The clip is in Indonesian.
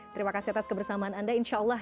terima kasih atas kebersamaan anda insya allah